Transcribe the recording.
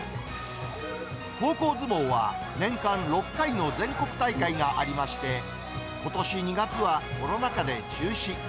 高校相撲は、年間６回の全国大会がありまして、ことし２月は、コロナ禍で中止。